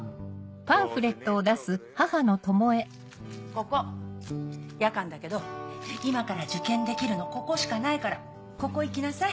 ここ夜間だけど今から受験できるのここしかないからここ行きなさい。